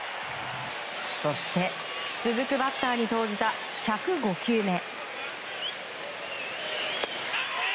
そして続くバッターに投じた１０５球目。